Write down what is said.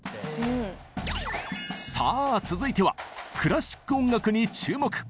さあ続いてはクラシック音楽に注目。